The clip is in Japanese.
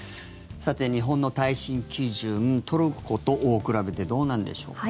さて、日本の耐震基準トルコと比べてどうなんでしょうか。